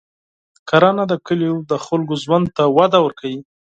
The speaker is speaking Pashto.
کرنه د کلیو د خلکو ژوند ته وده ورکوي.